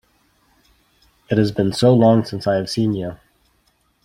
It has been so long since I have seen you!